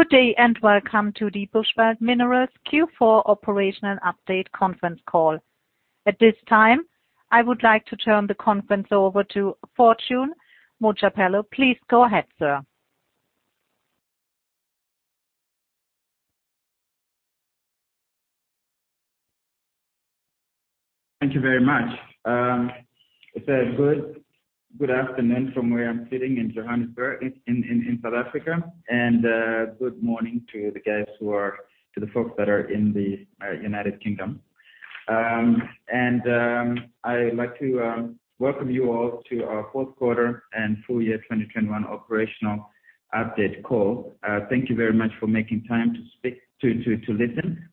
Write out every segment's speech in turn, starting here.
Good day and welcome to the Bushveld Minerals Q4 Operational Update Conference Call. At this time, I would like to turn the conference over to Fortune Mojapelo. Please go ahead, sir. Thank you very much. It's a good afternoon from where I'm sitting in Johannesburg in South Africa. Good morning to the folks that are in the United Kingdom. I'd like to welcome you all to our fourth quarter and full year 2021 operational update call. Thank you very much for making time to listen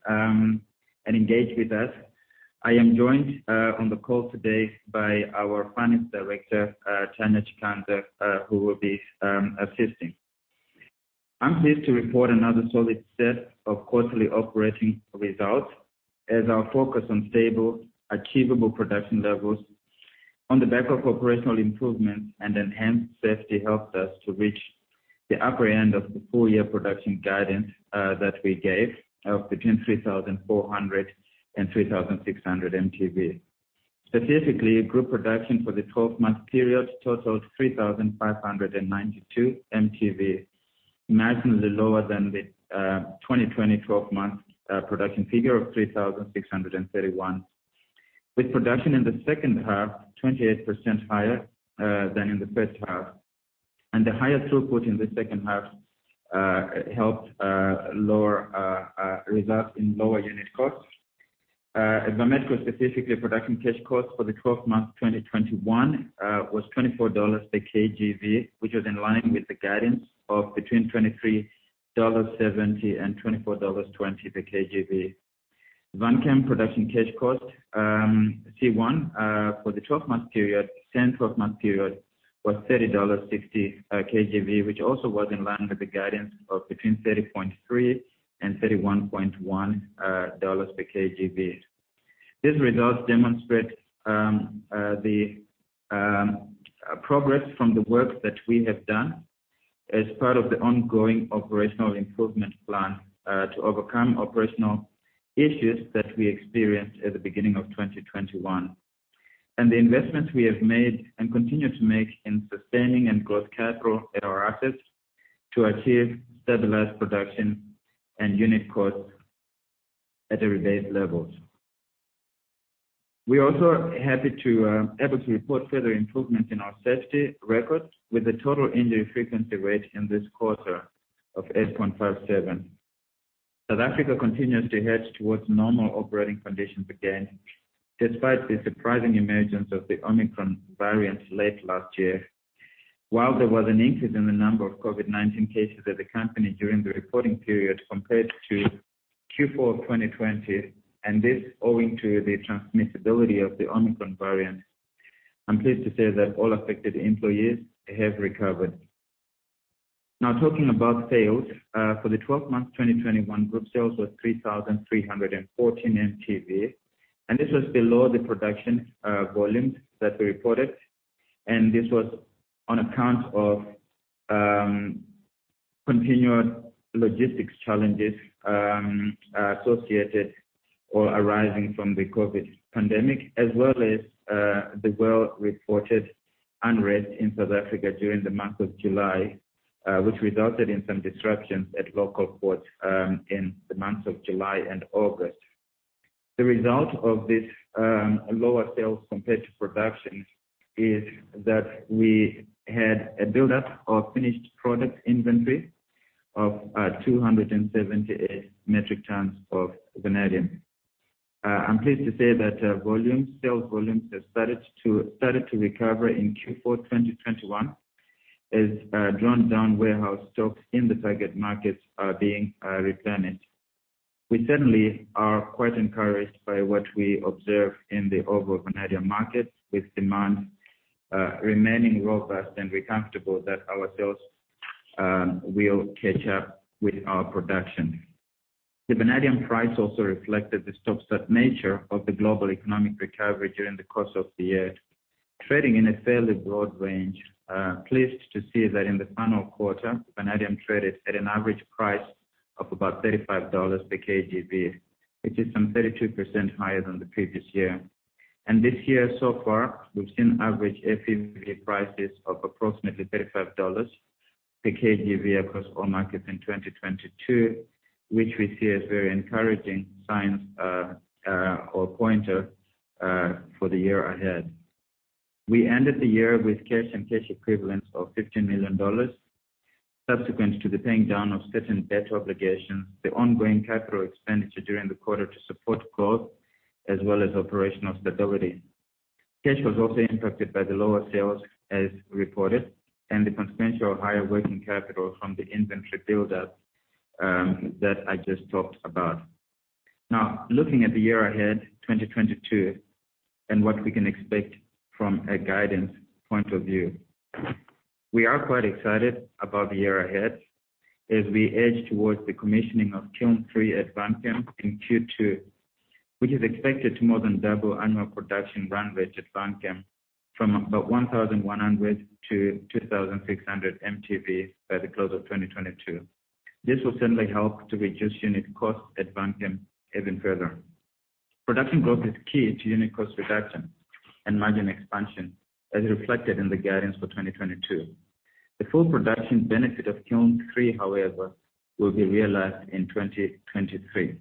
and engage with us. I am joined on the call today by our Finance Director, Tanya Chikanza, who will be assisting. I'm pleased to report another solid set of quarterly operating results as our focus on stable, achievable production levels on the back of operational improvements and enhanced safety helped us to reach the upper end of the full year production guidance that we gave of between 3,400 mtV and 3,600 mtV. Specifically, group production for the 12-month period totaled 3,592 mtV, marginally lower than the 2020 12-month production figure of 3,631 mtV. With production in the second half 28% higher than in the first half. The higher throughput in the second half helped result in lower unit costs. At Vametco, specifically production cash costs for the 12-month 2021 was $24 per kgV, which was in line with the guidance of between $23.70 and $24.20 per kgV. Vanchem production cash cost, C1, for the 12-month period, same 12-month period, was $30.60 kgV, which also was in line with the guidance of between 30.3 and 31.1 dollars per kgV. These results demonstrate the progress from the work that we have done as part of the ongoing operational improvement plan to overcome operational issues that we experienced at the beginning of 2021. The investments we have made and continue to make in sustaining and growth capital at our assets to achieve stabilized production and unit costs at revised levels. We also are happy to able to report further improvements in our safety record with a Total Injury Frequency Rate in this quarter of 8.57. South Africa continues to edge towards normal operating conditions again, despite the surprising emergence of the Omicron variant late last year. While there was an increase in the number of COVID-19 cases at the company during the reporting period compared to Q4 2020, and this owing to the transmissibility of the Omicron variant, I'm pleased to say that all affected employees have recovered. Now talking about sales, for the 12-month 2021, group sales was 3,314 mtV, and this was below the production volumes that we reported. This was on account of continued logistics challenges associated or arising from the COVID pandemic as well as the well-reported unrest in South Africa during the month of July which resulted in some disruptions at local ports in the months of July and August. The result of this lower sales compared to production is that we had a buildup of finished product inventory of 278 metric tons of vanadium. I'm pleased to say that volumes, sales volumes have started to recover in Q4 2021 as drawn down warehouse stocks in the target markets are being replenished. We certainly are quite encouraged by what we observe in the overall vanadium markets with demand remaining robust and we're comfortable that our sales will catch up with our production. The vanadium price also reflected the stop-start nature of the global economic recovery during the course of the year, trading in a fairly broad range. Pleased to see that in the final quarter, vanadium traded at an average price of about $35 per kgV, which is some 32% higher than the previous year. This year so far, we've seen average FeV prices of approximately $35 per kgV across all markets in 2022, which we see as very encouraging signs or pointer for the year ahead. We ended the year with cash and cash equivalents of $15 million subsequent to the paying down of certain debt obligations, the ongoing capital expenditure during the quarter to support growth as well as operational stability. Cash was also impacted by the lower sales as reported, and the consequential higher working capital from the inventory buildup, that I just talked about. Now, looking at the year ahead, 2022, and what we can expect from a guidance point of view. We are quite excited about the year ahead as we edge towards the commissioning of Kiln 3 at Vanchem in Q2, which is expected to more than double annual production run rate at Vanchem from about 1,100 mtV to 2,600 mtV by the close of 2022. This will certainly help to reduce unit costs at Vanchem even further. Production growth is key to unit cost reduction and margin expansion, as reflected in the guidance for 2022. The full production benefit of Kiln 3, however, will be realized in 2023.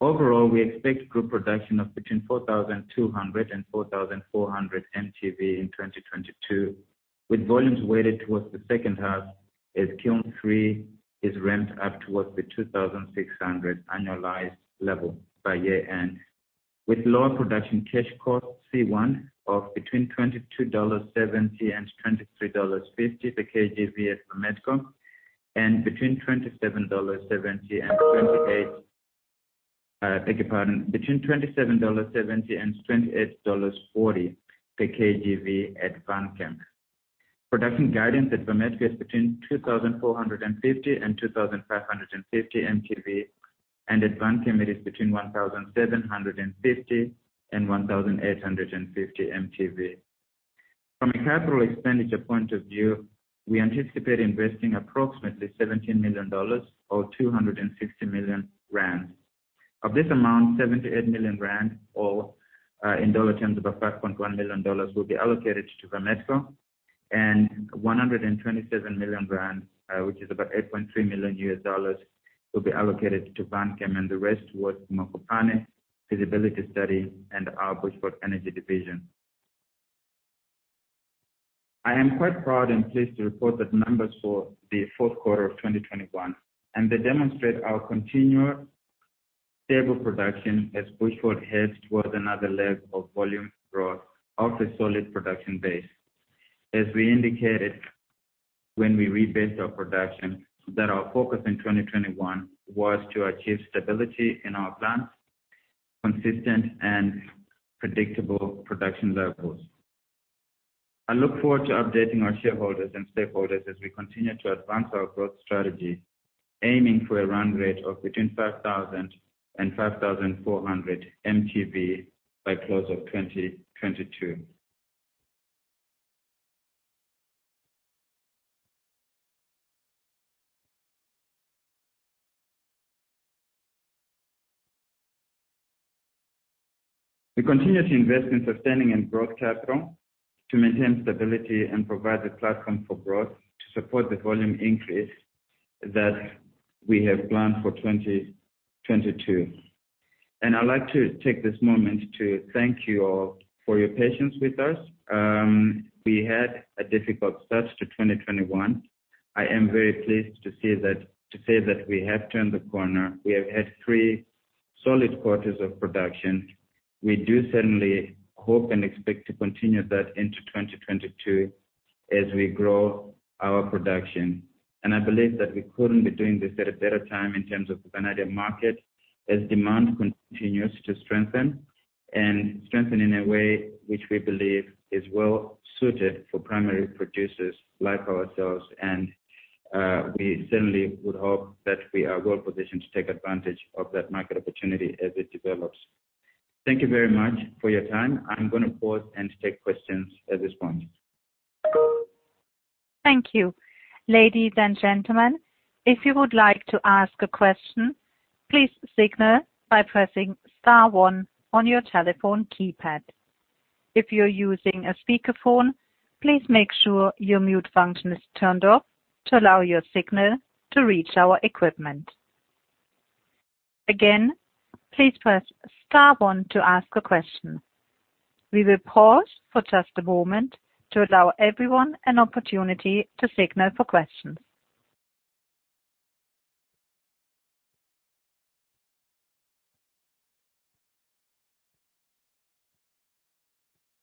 Overall, we expect group production of between 4,200 mtV and 4,400 mtV in 2022, with volumes weighted towards the second half as Kiln 3 is ramped up towards the 2,600 annualized level by year-end, with lower production cash cost C1 of between $22.70 and $23.50 per kgV at Vametco and between $27.70 and $28.40 per kgV at Vanchem. Production guidance at Vametco is between 2,450 and 2,550 mtV, and at Vanchem it is between 1,750 and 1,850 mtV. From a capital expenditure point of view, we anticipate investing approximately $17 million or 260 million rand. Of this amount, 78 million rand, or in dollar terms, about $5.1 million, will be allocated to Vametco and 127 million rand, which is about $8.3 million, will be allocated to Vanchem and the rest towards Mokopane feasibility study and our Bushveld Energy division. I am quite proud and pleased to report the numbers for the fourth quarter of 2021, and they demonstrate our continual stable production as Bushveld heads towards another leg of volume growth off a solid production base. We indicated when we rebased our production, that our focus in 2021 was to achieve stability in our plants, consistent and predictable production levels. I look forward to updating our shareholders and stakeholders as we continue to advance our growth strategy, aiming for a run rate of between 5,000 mtV and 5,400 mtV by close of 2022. We continue to invest in sustaining and growth capital to maintain stability and provide the platform for growth to support the volume increase that we have planned for 2022. I'd like to take this moment to thank you all for your patience with us. We had a difficult start to 2021. I am very pleased to say that we have turned the corner. We have had three solid quarters of production. We do certainly hope and expect to continue that into 2022 as we grow our production. I believe that we couldn't be doing this at a better time in terms of the vanadium market as demand continues to strengthen in a way which we believe is well-suited for primary producers like ourselves. We certainly would hope that we are well positioned to take advantage of that market opportunity as it develops. Thank you very much for your time. I'm gonna pause and take questions at this point. Thank you. Ladies and gentlemen, if you would like to ask a question, please signal by pressing star one on your telephone keypad. If you're using a speakerphone, please make sure your mute function is turned off to allow your signal to reach our equipment. Again, please press star one to ask a question. We will pause for just a moment to allow everyone an opportunity to signal for questions.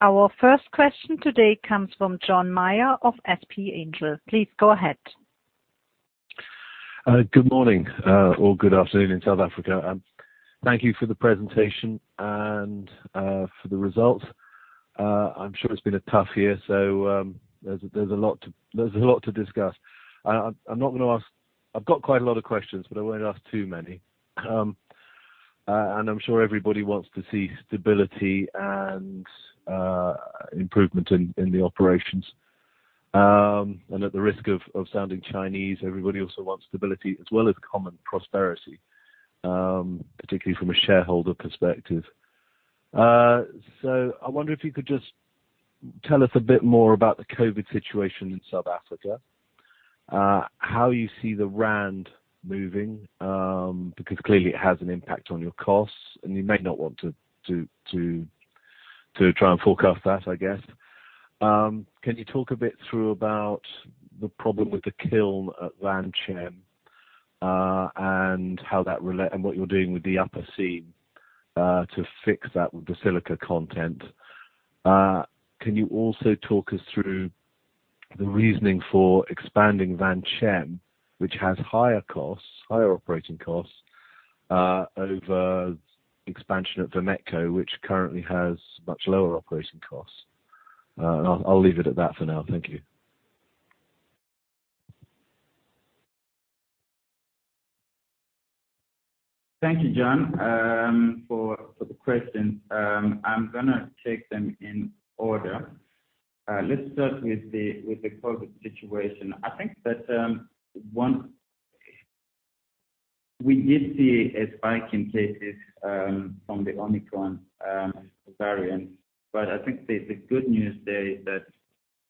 Our first question today comes from John Meyer of SP Angel. Please go ahead. Good morning. Or good afternoon in South Africa. Thank you for the presentation and for the results. I'm sure it's been a tough year, so there's a lot to discuss. I'm not gonna ask. I've got quite a lot of questions, but I won't ask too many. I'm sure everybody wants to see stability and improvement in the operations. At the risk of sounding Chinese, everybody also wants stability as well as common prosperity, particularly from a shareholder perspective. I wonder if you could just tell us a bit more about the COVID situation in South Africa. How do you see the rand moving, because clearly it has an impact on your costs, and you may not want to try and forecast that, I guess. Can you talk a bit through about the problem with the kiln at Vanchem, and how that relates and what you're doing with the Upper Seam to fix that with the silica content. Can you also talk us through the reasoning for expanding Vanchem, which has higher costs, higher operating costs, over expansion at Vametco, which currently has much lower operating costs? I'll leave it at that for now. Thank you. Thank you, John, for the questions. I'm gonna take them in order. Let's start with the COVID situation. I think that we did see a spike in cases from the Omicron variant. I think the good news there is that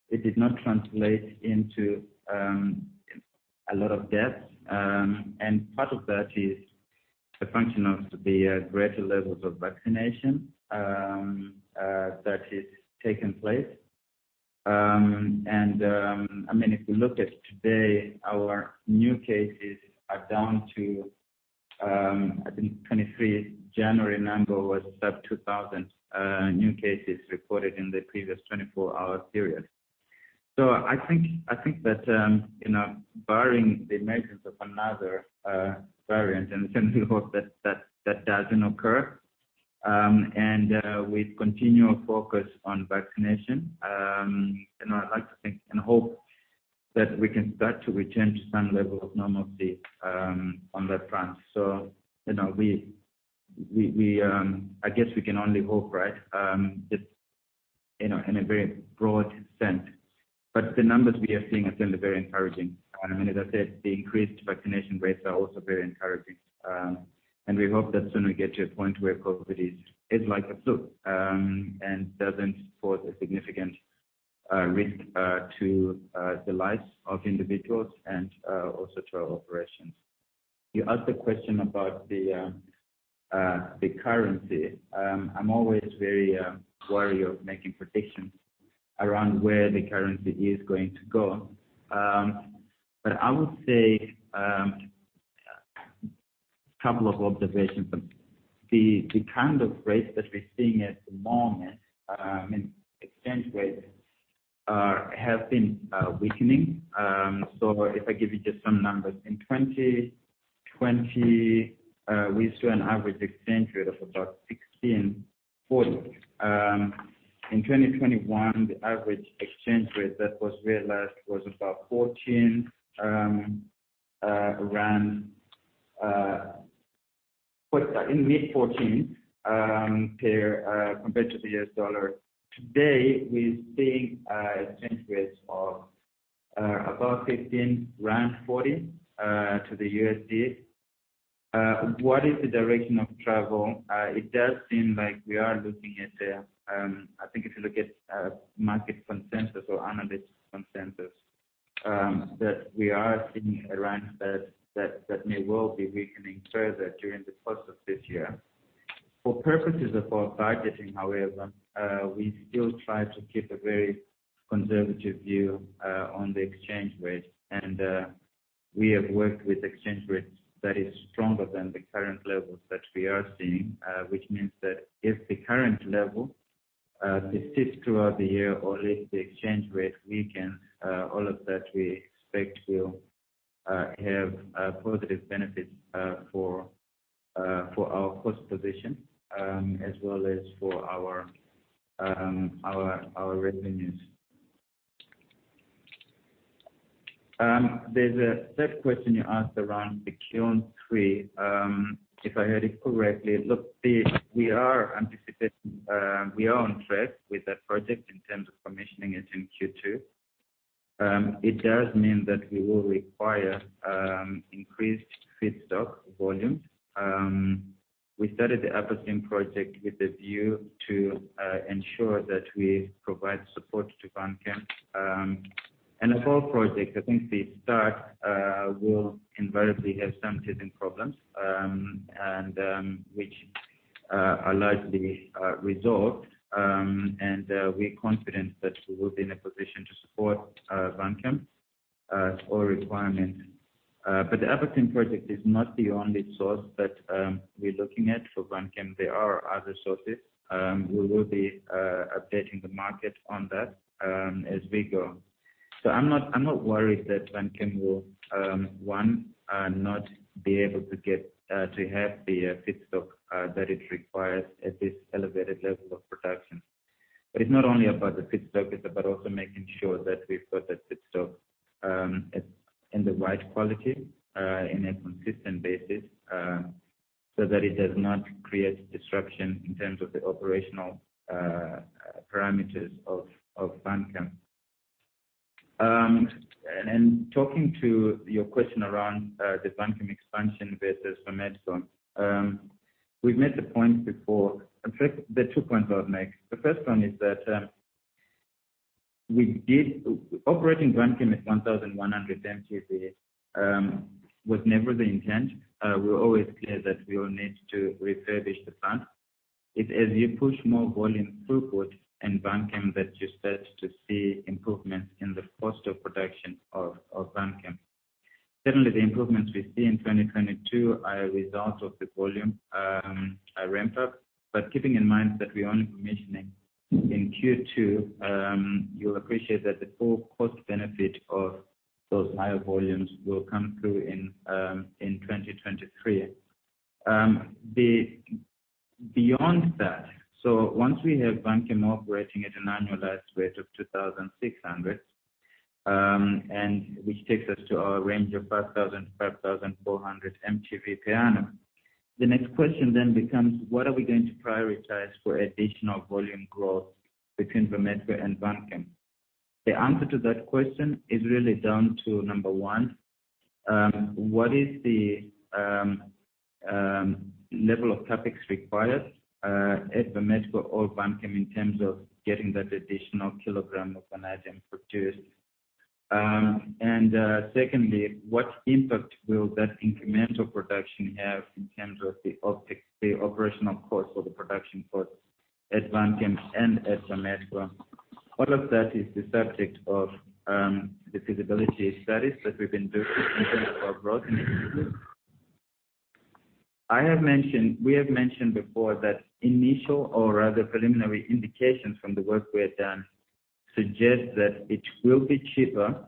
it did not translate into a lot of deaths. Part of that is a function of the greater levels of vaccination that has taken place. I mean, if you look at today, our new cases are down to, I think, 2023. January number was sub 2,000 new cases reported in the previous 24-hour period. I think that, you know, barring the emergence of another variant, I certainly hope that that doesn't occur. With continual focus on vaccination, you know, I'd like to think and hope that we can start to return to some level of normalcy, on that front. You know, I guess we can only hope, right? Just, you know, in a very broad sense. The numbers we are seeing are certainly very encouraging. I mean, as I said, the increased vaccination rates are also very encouraging. We hope that soon we get to a point where COVID is like a flu, and doesn't pose a significant risk to the lives of individuals and also to our operations. You asked a question about the currency. I'm always very wary of making predictions around where the currency is going to go. I would say couple of observations. The kind of rates that we're seeing at the moment in exchange rates have been weakening. If I give you just some numbers. In 2020, we saw an average exchange rate of about 16.4. In 2021, the average exchange rate that was realized was about 14 rand compared to the U.S. dollar. Today we're seeing exchange rates of about 15.40 rand to the USD. What is the direction of travel? It does seem like we are looking at, I think, if you look at market consensus or analyst consensus, that we are seeing a rand that may well be weakening further during the course of this year. For purposes of our budgeting, however, we still try to keep a very conservative view on the exchange rate. We have worked with exchange rates that is stronger than the current levels that we are seeing. Which means that if the current level persists throughout the year or if the exchange rate weakens, all of that we expect will have positive benefits for our cost position, as well as for our revenues. There's a third question you asked around the Kiln 3, if I heard it correctly. Look, we are anticipating, we are on track with that project in terms of commissioning it in Q2. It does mean that we will require increased feedstock volumes. We started the Upper Seam project with a view to ensure that we provide support to Vanchem. Of all projects, I think the start will invariably have some teething problems, and which are largely resolved. We're confident that we will be in a position to support Vanchem ore requirement. The Upper Seam project is not the only source that we're looking at for Vanchem. There are other sources. We will be updating the market on that as we go. I'm not worried that Vanchem will not be able to get to have the feedstock that it requires at this elevated level of production. It's not only about the feedstock, it's about also making sure that we've got that feedstock in the right quality in a consistent basis so that it does not create disruption in terms of the operational parameters of Vanchem. Talking to your question around the Vanchem expansion versus Vametco. We've made the point before. In fact, there are two points I would make. The first one is that Operating Vanchem at 1,100 MTPA was never the intent. We're always clear that we will need to refurbish the plant. It's as you push more volume throughput in Vanchem that you start to see improvements in the cost of production of Vanchem. Certainly, the improvements we see in 2022 are a result of the volume a ramp up. Keeping in mind that we're only commissioning in Q2, you'll appreciate that the full cost benefit of those higher volumes will come through in 2023. Beyond that, once we have Vanchem operating at an annualized rate of 2,600, and which takes us to our range of 5,000 mtV-5,400 mtV per annum. The next question becomes what are we going to prioritize for additional volume growth between Vametco and Vanchem? The answer to that question is really down to number one, what is the level of CapEx required at Vametco or Vanchem in terms of getting that additional kilogram of vanadium produced. And secondly, what impact will that incremental production have in terms of the OpEx—the operational cost or the production cost at Vanchem and at Vametco? All of that is the subject of the feasibility studies that we've been doing in terms of growth initiatives. We have mentioned before that initial or rather preliminary indications from the work we have done suggest that it will be cheaper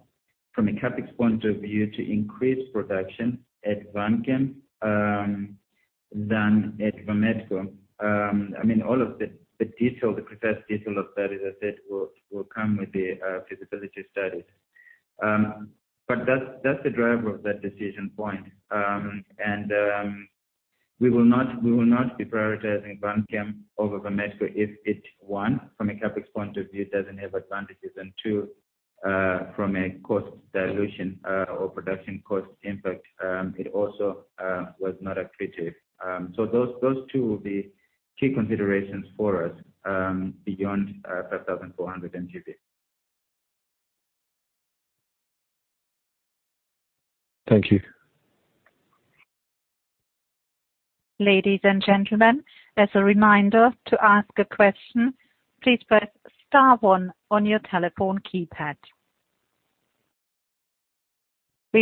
from a CapEx point of view to increase production at Vanchem than at Vametco. I mean, all of the detail, the precise detail of that, as I said, will come with the feasibility studies. That's the driver of that decision point. We will not be prioritizing Vanchem over Vametco if it, one, from a CapEx point of view, doesn't have advantages. Two, from a cost dilution or production cost impact, it also was not accretive. Those two will be key considerations for us beyond 5,400 mtV. Thank you. We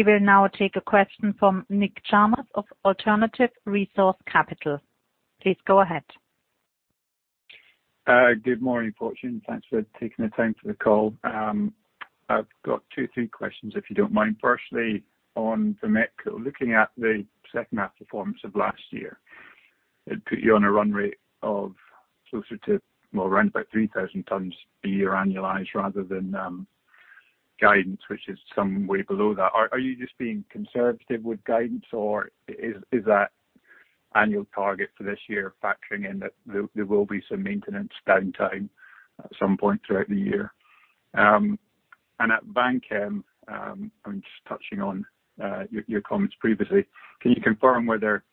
will now take a question from Nick Chalmers of Alternative Resource Capital. Please go ahead. Good morning, Fortune. Thanks for taking the time for the call. I've got two, three questions, if you don't mind. Firstly, on Vametco, looking at the second half performance of last year, it put you on a run rate of closer to, well, around about 3,000 tons a year annualized rather than guidance, which is some way below that. Are you just being conservative with guidance or is that annual target for this year factoring in that there will be some maintenance downtime at some point throughout the year? At Vanchem, I'm just touching on your comments previously. Can you confirm whether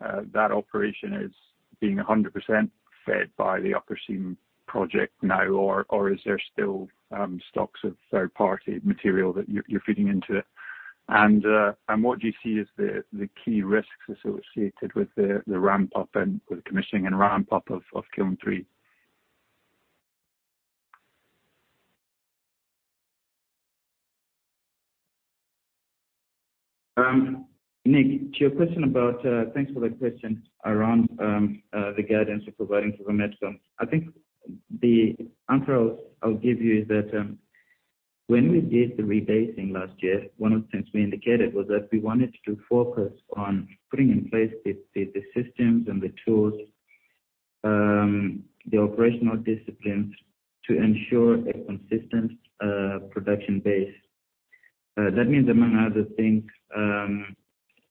that operation is being 100% fed by the Upper Seam project now, or is there still stocks of third party material that you're feeding into it? What do you see as the key risks associated with the ramp up and with commissioning and ramp up of Kiln 3? Nick, to your question about, thanks for that question around the guidance we're providing for Vametco. I think the answer I'll give you is that, when we did the rebasing last year, one of the things we indicated was that we wanted to focus on putting in place the systems and the tools, the operational disciplines to ensure a consistent production base. That means, among other things,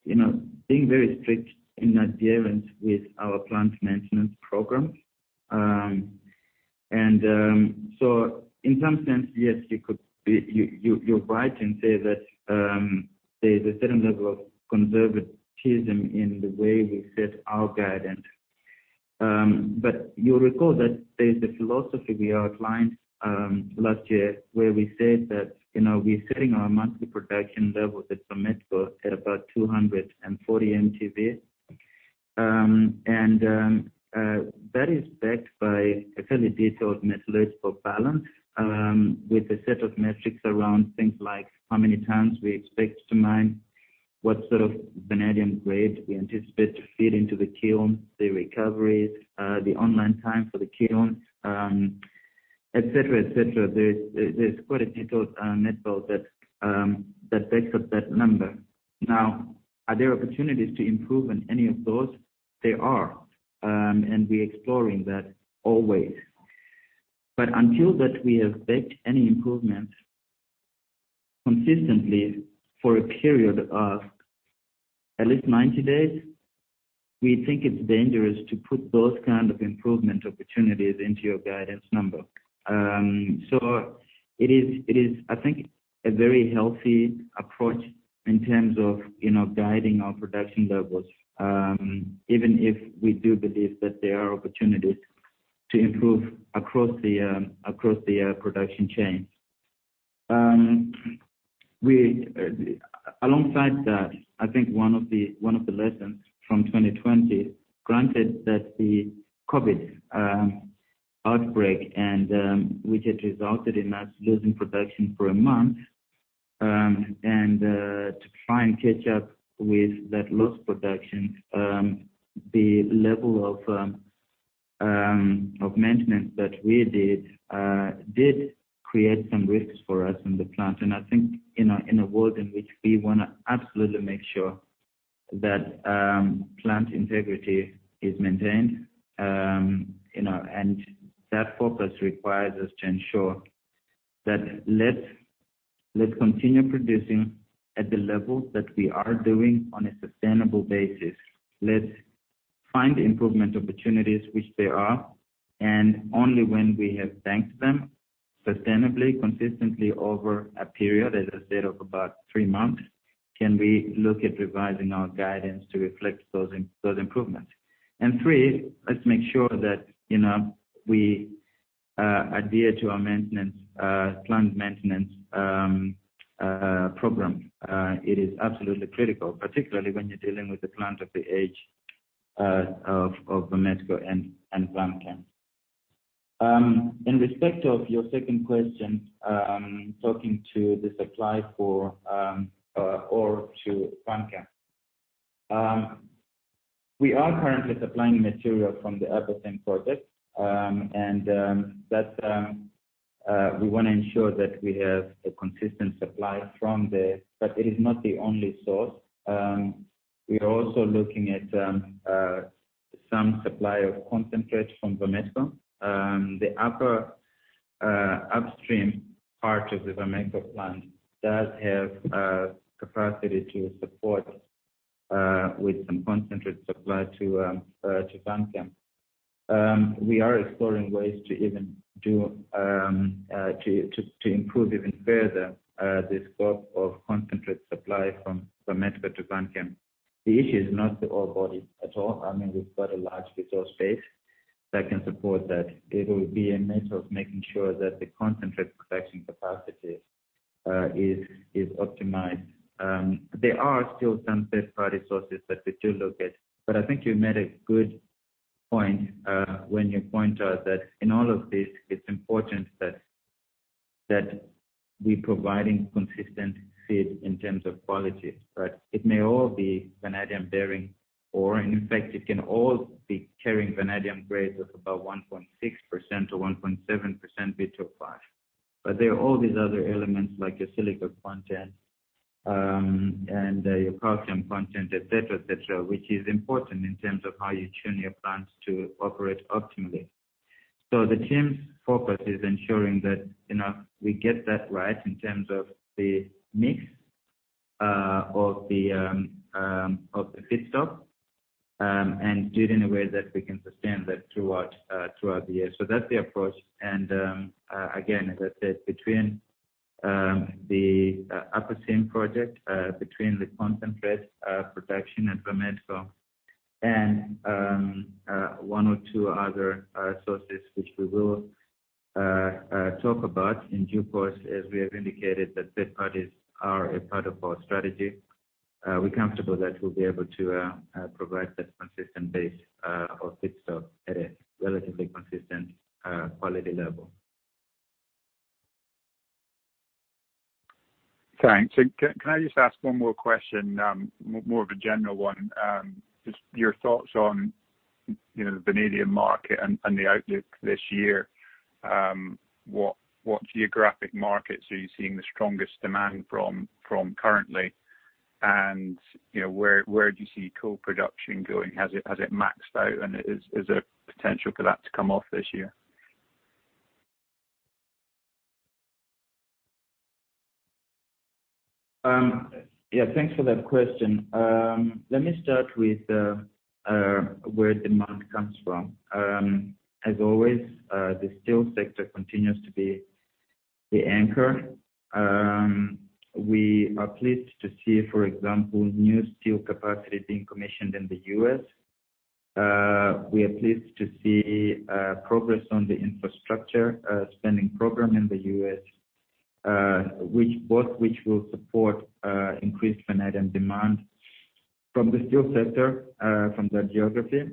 you know, being very strict in adherence with our plant maintenance programs. In some sense, yes, you could be. You're right in saying that, there's a certain level of conservatism in the way we set our guidance. You'll recall that there's a philosophy we outlined last year where we said that, you know, we're setting our monthly production levels at Vametco at about 240 mtV. That is backed by a fairly detailed metallurgical balance with a set of metrics around things like how many tonnes we expect to mine, what sort of vanadium grade we anticipate to feed into the kiln, the recoveries, the online time for the kiln, et cetera, et cetera. There's quite a detailed method that backs up that number. Now, are there opportunities to improve in any of those? There are, and we're exploring that always. Until that we have backed any improvements consistently for a period of at least 90 days, we think it's dangerous to put those kind of improvement opportunities into your guidance number. It is I think a very healthy approach in terms of, you know, guiding our production levels, even if we do believe that there are opportunities to improve across the production chain. Alongside that, I think one of the lessons from 2020, granted that the COVID outbreak and which had resulted in us losing production for a month, and to try and catch up with that lost production, the level of maintenance that we did create some risks for us in the plant. I think in a world in which we wanna absolutely make sure that plant integrity is maintained, you know. That focus requires us to ensure that let's continue producing at the level that we are doing on a sustainable basis. Let's find improvement opportunities which there are, and only when we have banked them sustainably, consistently over a period, as I said, of about three months, can we look at revising our guidance to reflect those improvements. Three, let's make sure that, you know, we adhere to our plant maintenance program. It is absolutely critical, particularly when you're dealing with the plant of the age of Vametco and Vanchem. In respect of your second question, talking to the supply of ore to Vanchem. We are currently supplying material from the Upper Seam project, and we want to ensure that we have a consistent supply from there, but it is not the only source. We are also looking at some supply of concentrate from Vametco. The upper upstream part of the Vametco plant does have capacity to support with some concentrate supply to Vanchem. We are exploring ways to improve even further the scope of concentrate supply from Vametco to Vanchem. The issue is not the ore body at all. I mean, we've got a large resource base that can support that. It'll be a matter of making sure that the concentrate production capacity is optimized. There are still some third-party sources that we do look at, but I think you made a good point when you point out that in all of this it's important that we providing consistent feed in terms of quality. It may all be vanadium-bearing ore, and in fact, it can all be carrying vanadium grades of about 1.6% or 1.7% V2O5. There are all these other elements like your silica content, and your calcium content, et cetera, which is important in terms of how you tune your plants to operate optimally. The team's focus is ensuring that you know we get that right in terms of the mix of the feedstock, and do it in a way that we can sustain that throughout the year. That's the approach. Again, as I said, between the Upper Seam project, the concentrate production at Vametco and one or two other sources which we will talk about in due course, as we have indicated that third parties are a part of our strategy, we're comfortable that we'll be able to provide that consistent base of feedstock at a relatively consistent quality level. Thanks. Can I just ask one more question, more of a general one, just your thoughts on, you know, the vanadium market and the outlook this year. What geographic markets are you seeing the strongest demand from currently? You know, where do you see coal production going? Has it maxed out? Is there potential for that to come off this year? Yeah, thanks for that question. Let me start with where demand comes from. As always, the steel sector continues to be the anchor. We are pleased to see, for example, new steel capacity being commissioned in the U.S. We are pleased to see progress on the infrastructure spending program in the U.S., which will support increased vanadium demand from the steel sector from that geography.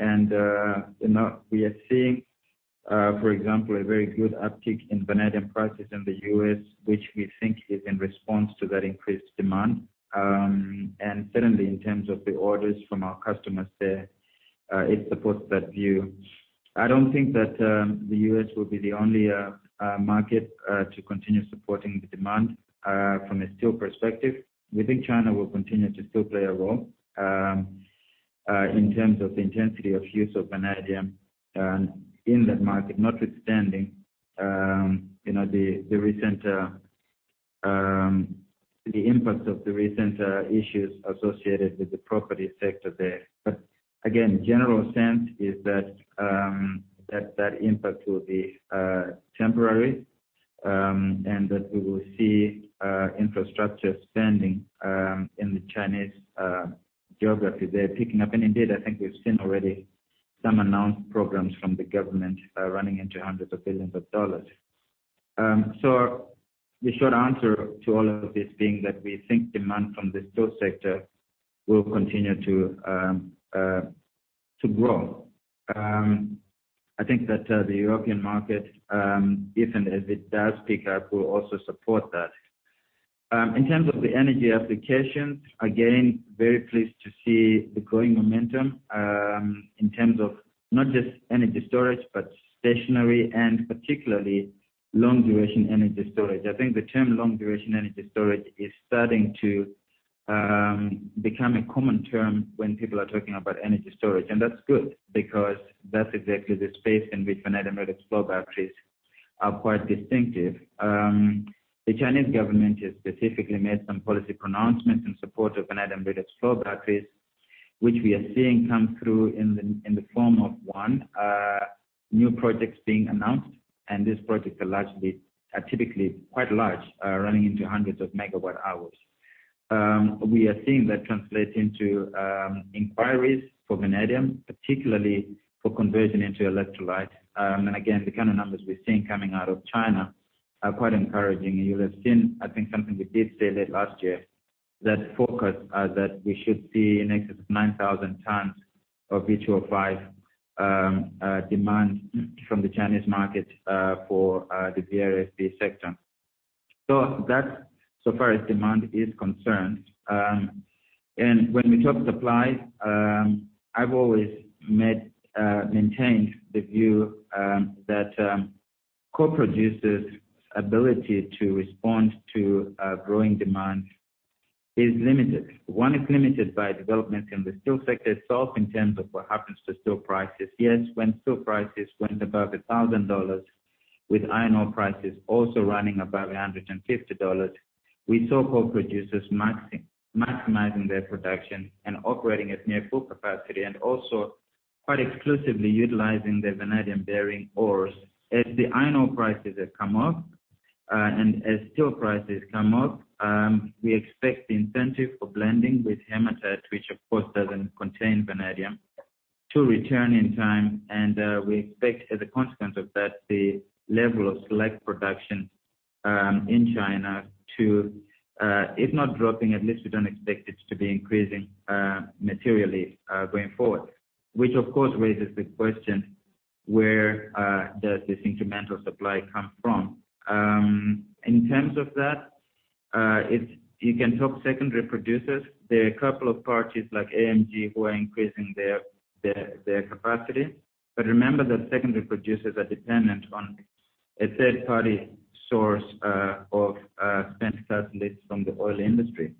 You know, we are seeing, for example, a very good uptick in vanadium prices in the U.S., which we think is in response to that increased demand. Certainly in terms of the orders from our customers there, it supports that view. I don't think that the U.S. will be the only market to continue supporting the demand from a steel perspective. We think China will continue to still play a role in terms of the intensity of use of vanadium in that market, notwithstanding you know the impact of the recent issues associated with the property sector there. Again, general sense is that that impact will be temporary and that we will see infrastructure spending in the Chinese economy there picking up. Indeed, I think we've seen already some announced programs from the government running into hundreds of billions of dollars. The short answer to all of this being that we think demand from the steel sector will continue to grow. I think that the European market, if and as it does pick up, will also support that. In terms of the energy applications, again, very pleased to see the growing momentum in terms of not just energy storage, but stationary and particularly long-duration energy storage. I think the term long-duration energy storage is starting to become a common term when people are talking about energy storage, and that's good because that's exactly the space in which vanadium redox flow batteries are quite distinctive. The Chinese government has specifically made some policy pronouncements in support of vanadium redox flow batteries, which we are seeing come through in the form of new projects being announced, and these projects are typically quite large, running into hundreds of megawatt-hours. We are seeing that translate into inquiries for vanadium, particularly for conversion into electrolyte. Again, the kind of numbers we're seeing coming out of China are quite encouraging. You would have seen, I think something we did say late last year, that forecast that we should see in excess of 9,000 tons of V2O5 demand from the Chinese market for the VRFB sector. That's so far as demand is concerned. When we talk supply, I've always maintained the view that co-producers' ability to respond to growing demand is limited. One is limited by development in the steel sector itself in terms of what happens to steel prices. Yes, when steel prices went above $1,000 with iron ore prices also running above $150, we saw co-producers maximizing their production and operating at near full capacity, and also quite exclusively utilizing their vanadium bearing ores. As the iron ore prices have come up, and as steel prices come up, we expect the incentive for blending with hematite, which of course doesn't contain vanadium, to return in time. We expect as a consequence of that, the level of selective production in China to, if not dropping, at least we don't expect it to be increasing materially going forward. Which of course raises the question, where does this incremental supply come from? In terms of that, you can talk secondary producers. There are a couple of parties like AMG who are increasing their capacity. Remember that secondary producers are dependent on a third-party source of spent catalysts from the oil industry.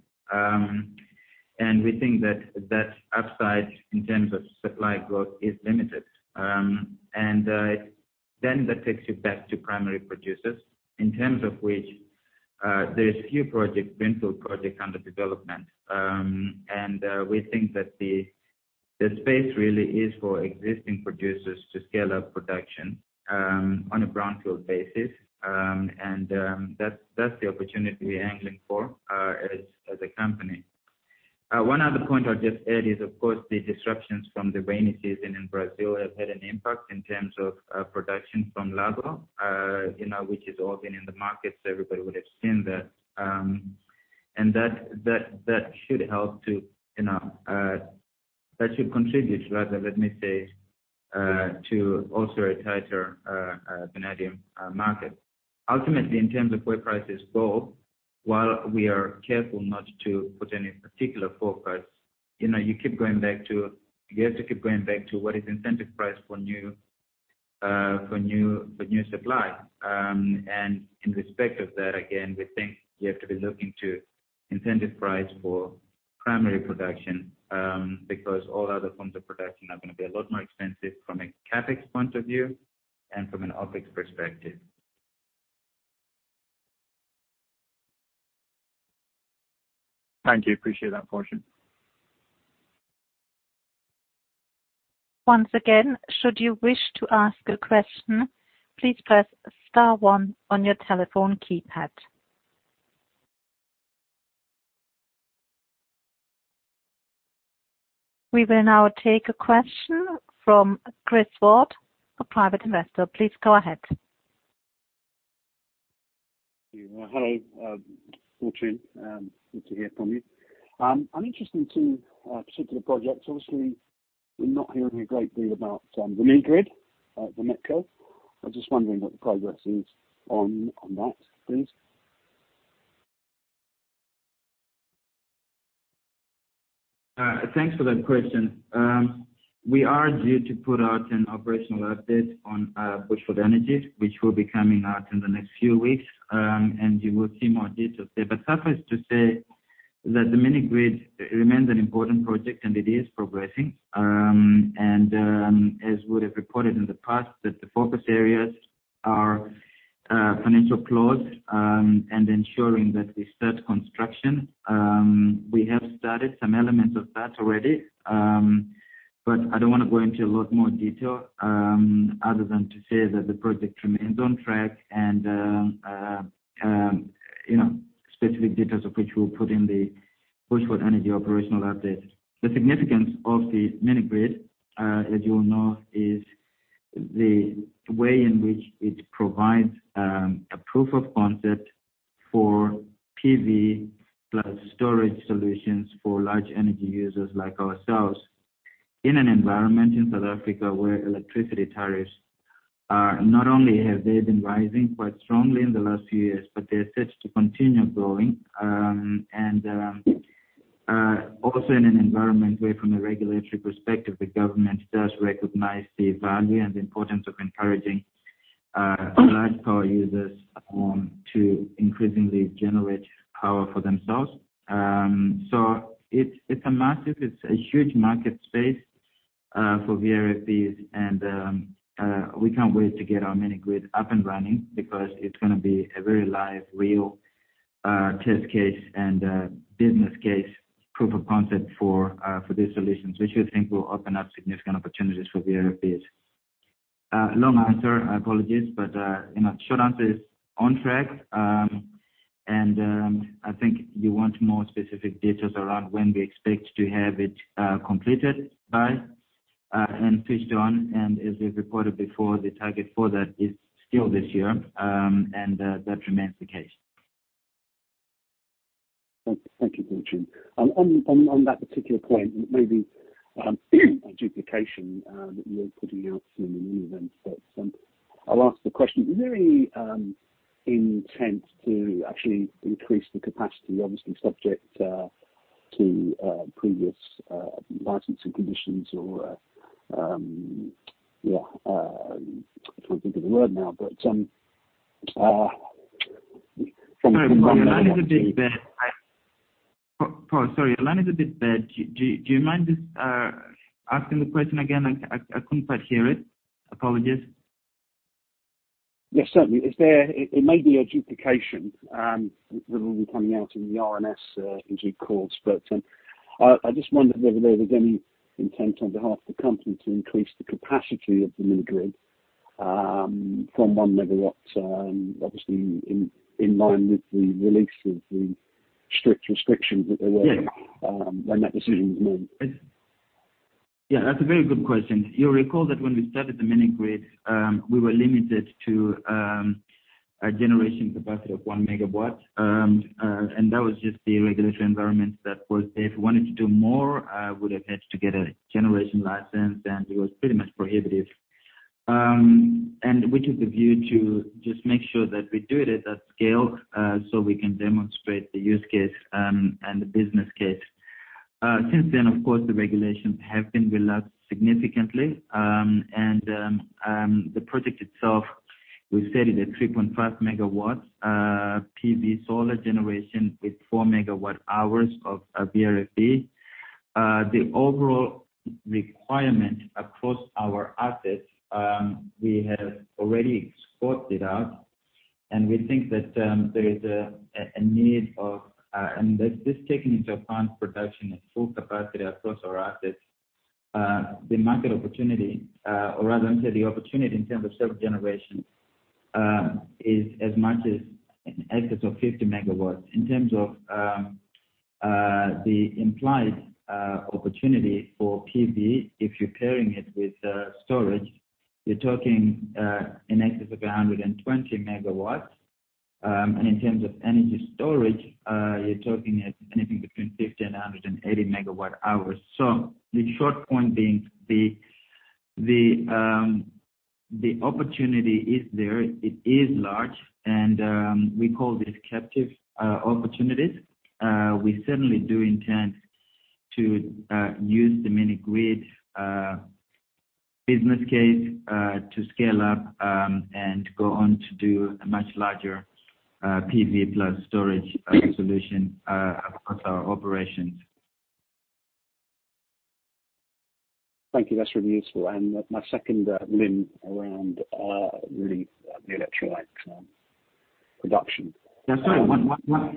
We think that upside in terms of supply growth is limited. That takes you back to primary producers in terms of which there's few projects, greenfield projects under development. We think that the space really is for existing producers to scale up production on a brownfield basis. That's the opportunity we're angling for as a company. One other point I'll just add is, of course, the disruptions from the rainy season in Brazil have had an impact in terms of production from Largo, you know, which has all been in the market, so everybody would have seen that. That should contribute rather, let me say, to also a tighter vanadium market. Ultimately, in terms of where prices go, while we are careful not to put any particular forecast, you know, you have to keep going back to what is incentive price for new supply. In respect of that, again, we think you have to be looking to incentive price for primary production, because all other forms of production are gonna be a lot more expensive from a CapEx point of view and from an OpEx perspective. Thank you. Appreciate that, Fortune. Once again, should you wish to ask a question, please press star one on your telephone keypad. We will now take a question from Chris Ward, a private investor. Please go ahead. Hello. Fortune, good to hear from you. I'm interested in two particular projects. Obviously, we're not hearing a great deal about the mini grid, the Vametco. I'm just wondering what the progress is on that, please. Thanks for that question. We are due to put out an operational update on Bushveld Energy, which will be coming out in the next few weeks. You will see more details there. Suffice to say that the mini grid remains an important project and it is progressing. As we have reported in the past, the focus areas are financial close and ensuring that we start construction. We have started some elements of that already. But I don't wanna go into a lot more detail other than to say that the project remains on track and you know, specific details of which we'll put in the Bushveld Energy operational update. The significance of the mini grid, as you all know, is the way in which it provides a proof of concept for PV plus storage solutions for large energy users like ourselves. In an environment in South Africa where electricity tariffs are not only have they been rising quite strongly in the last few years, but they're set to continue growing. Also in an environment where from a regulatory perspective, the government does recognize the value and importance of encouraging large power users to increasingly generate power for themselves. It's a massive, huge market space for VRFBs. We can't wait to get our mini grid up and running because it's gonna be a very live, real, test case and business case proof of concept for for these solutions, which we think will open up significant opportunities for VRFBs. Long answer, I apologize, but you know, short answer is on track. I think you want more specific details around when we expect to have it completed by and switched on. As we've reported before, the target for that is still this year, and that remains the case. Thank you. Thank you, Virgil. On that particular point, it may be a duplication that you're putting out in the new event, but I'll ask the question. Is there any intent to actually increase the capacity, obviously subject to previous licensing conditions or yeah, I'm trying to think of the word now, but. Sorry, your line is a bit bad. Do you mind just asking the question again? I couldn't quite hear it. Apologies. Yes, certainly. It may be a duplication that will be coming out in the RNS in due course. I just wondered whether there was any intent on behalf of the company to increase the capacity of the mini grid from 1 MW, obviously in line with the release of the strict restrictions that there were. Yeah. When that decision was made. Yeah, that's a very good question. You'll recall that when we started the mini grid, we were limited to a generation capacity of 1 MW. That was just the regulatory environment that was there. If we wanted to do more, we would have had to get a generation license, and it was pretty much prohibitive. We took the view to just make sure that we do it at that scale, so we can demonstrate the use case and the business case. Since then, of course, the regulations have been relaxed significantly. The project itself, we've set it at 3.5 MW PV solar generation with 4 MWh of VRFB. The overall requirement across our assets we have already worked out, and we think that this taking into account production at full capacity across our assets, the market opportunity, or rather the opportunity in terms of self-generation, is as much as in excess of 50 MW. In terms of the implied opportunity for PV, if you're pairing it with storage, you're talking in excess of 120 MW. In terms of energy storage, you're talking at anything between 50 MWh and 180 MWh. The short point being the opportunity is there, it is large, and we call this captive opportunities. We certainly do intend to use the mini grid business case to scale up and go on to do a much larger PV plus storage solution across our operations. Thank you. That's really useful. My second point around really the electrolyte production.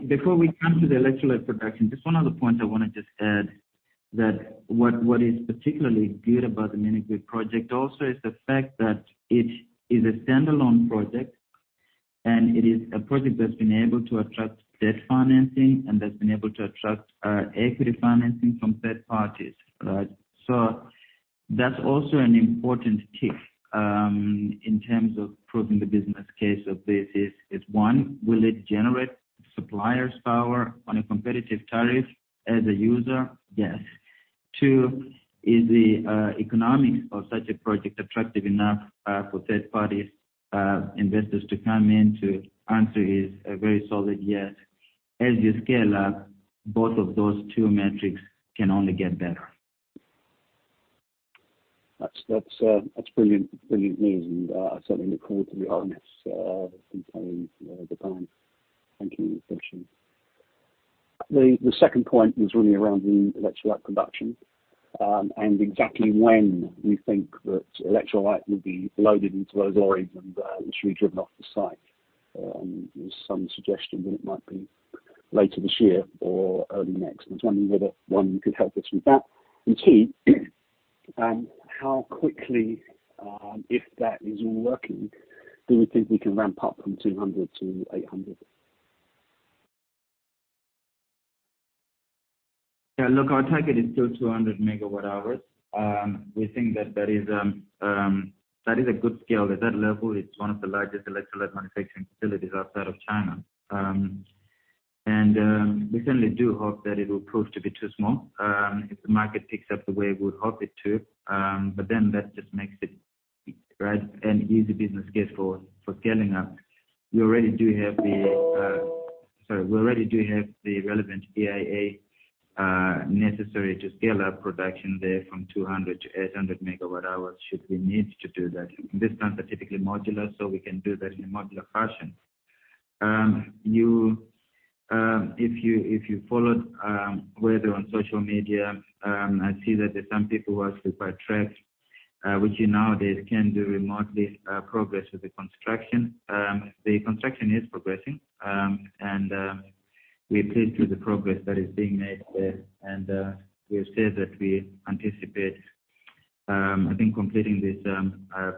Before we come to the electrolyte production, just one other point I wanna just add that what is particularly good about the mini grid project also is the fact that it is a standalone project, and it is a project that's been able to attract debt financing and that's been able to attract equity financing from third parties. Right? That's also an important tick in terms of proving the business case. One, will it generate supplier's power on a competitive tariff as a user? Yes. Two, is the economics of such a project attractive enough for third parties investors to come in to? Answer is a very solid yes. As you scale up, both of those two metrics can only get better. That's brilliant news, and certainly look forward to the RNS in due time. Thank you. Appreciate it. The second point was really around the electrolyte production, and exactly when you think that electrolyte would be loaded into those lorries and literally driven off the site. There's some suggestion that it might be later this year or early next. I was wondering whether, one, you could help us with that. And two, how quickly, if that is all working, do you think we can ramp up from 200 MWh to 800 MWh? Yeah, look, our target is still 200 MWh. We think that is a good scale. At that level, it's one of the largest electrolyte manufacturing facilities outside of China. We certainly do hope that it will prove to be too small if the market picks up the way we would hope it to. That just makes it, right, an easy business case for scaling up. We already do have the relevant EIA necessary to scale up production there from 200-800 MWh should we need to do that. This plant is specifically modular, so we can do that in a modular fashion. If you followed, whether on social media, I see that there are some people who are super tracked, which you nowadays can do remotely, progress with the construction. The construction is progressing. We are pleased with the progress that is being made there. We have said that we anticipate, I think, completing this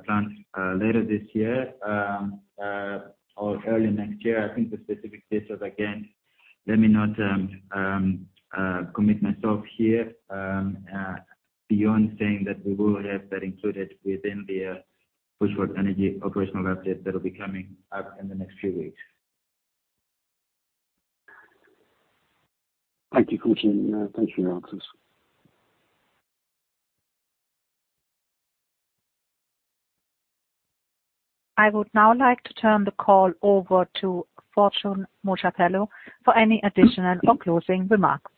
plant later this year or early next year. I think the specific dates are again, let me not commit myself here beyond saying that we will have that included within the Bushveld Energy operational update that will be coming up in the next few weeks. Thank you, Fortune. Thank you for your answers. I would now like to turn the call over to Fortune Mojapelo for any additional or closing remarks.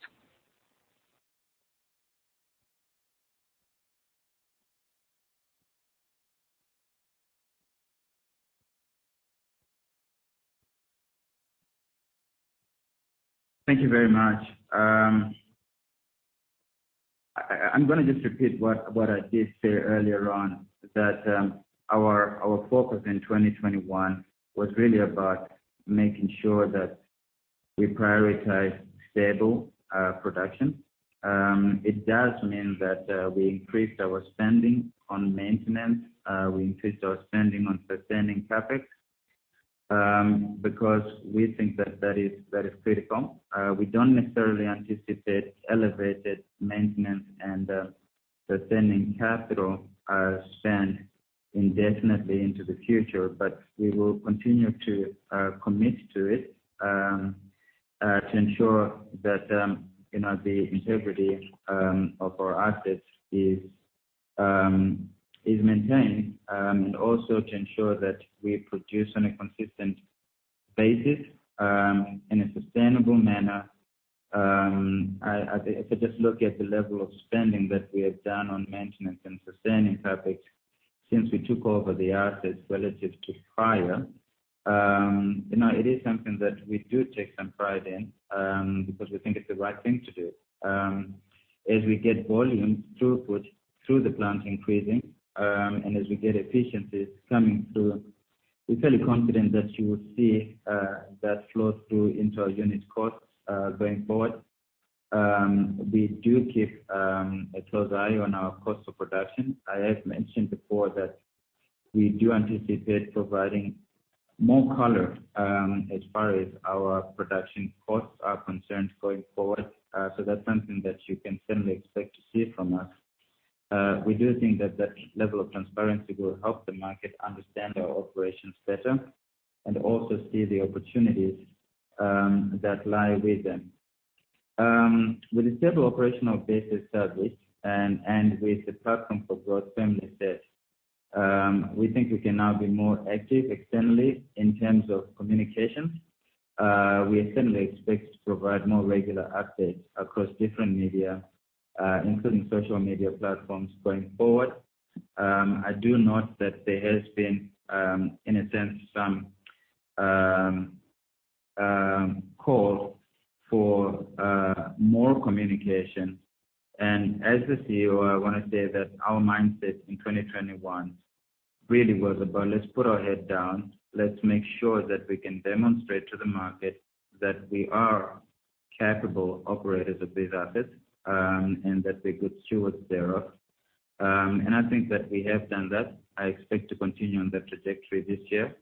Thank you very much. I'm gonna just repeat what I did say earlier on, that our focus in 2021 was really about making sure that we prioritize stable production. It does mean that we increased our spending on maintenance. We increased our spending on sustaining CapEx because we think that that is critical. We don't necessarily anticipate elevated maintenance and sustaining capital spend indefinitely into the future, but we will continue to commit to it to ensure that you know the integrity of our assets is maintained and also to ensure that we produce on a consistent basis in a sustainable manner. If I just look at the level of spending that we have done on maintenance and sustaining CapEx since we took over the assets relative to prior, you know, it is something that we do take some pride in, because we think it's the right thing to do. As we get volumes through the plant increasing, and as we get efficiencies coming through, we're fairly confident that you will see that flow through into our unit costs going forward. We do keep a close eye on our cost of production. I have mentioned before that we do anticipate providing more color as far as our production costs are concerned going forward. That's something that you can certainly expect to see from us. We do think that level of transparency will help the market understand our operations better and also see the opportunities that lie with them. With a stable operational basis established and with the platform for growth firmly set, we think we can now be more active externally in terms of communications. We certainly expect to provide more regular updates across different media, including social media platforms going forward. I do note that there has been, in a sense some call for more communication. As the Chief Executive Officer, I wanna say that our mindset in 2021 really was about let's put our head down, let's make sure that we can demonstrate to the market that we are capable operators of these assets, and that we are good stewards thereof. I think that we have done that. I expect to continue on that trajectory this year.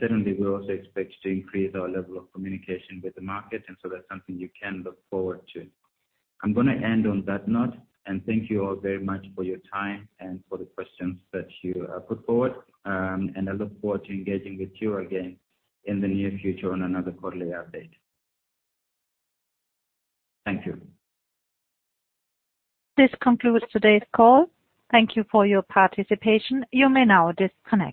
Certainly we also expect to increase our level of communication with the market, and so that's something you can look forward to. I'm gonna end on that note and thank you all very much for your time and for the questions that you put forward. I look forward to engaging with you again in the near future on another quarterly update. Thank you. This concludes today's call. Thank you for your participation. You may now disconnect.